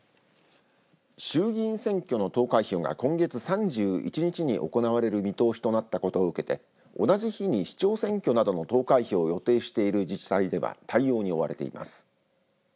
衆議院選挙の投開票が今月３１日に行われる見通しとなったことを受けて同じ日に市長選挙などの投開票を予定している自治体では対応に追われています。